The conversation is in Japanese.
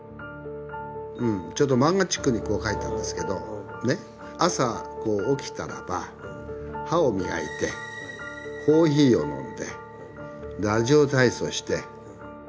ちょっと漫画チックに描いたんですけど朝起きたらば歯を磨いてコーヒーを飲んでラジオ体操して。